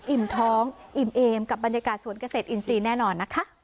อิ่มท้องอิ่มเอมกับบรรยากาศสวนเกษตรอินทรีย์แน่นอนนะคะ